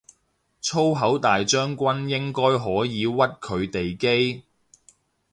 粗口大將軍應該可以屈佢哋機